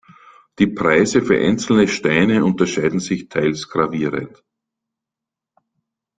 Die Preise für einzelne Steine unterscheiden sich teils gravierend.